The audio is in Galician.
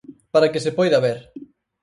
Para que se poida ver.